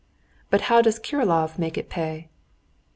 "But how does Kirillov make it pay?"